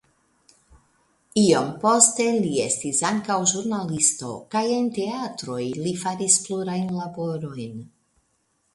Iom poste li estis ankaŭ ĵurnalisto kaj en teatroj li faris plurajn laborojn.